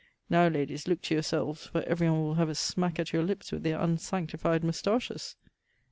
Now, ladies, looke to yourselves, for every one will have a smack at your lipps with their unsanctified mustaches.